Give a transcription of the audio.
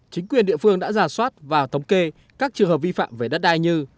chính quyền địa phương đã giả soát và thống kê các trường hợp vi phạm về đất đai như